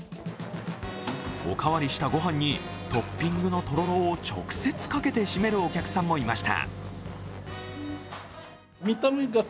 おかわりしたご飯に、トッピングのとろろを直接かけてしめるお客さんもいました。